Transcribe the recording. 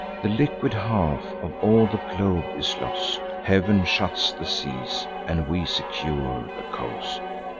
The liquid half of all the globe is lost; Heav'n shuts the seas, and we secure the coast.